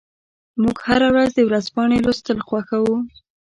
موږ هره ورځ د ورځپاڼې لوستل خوښوو.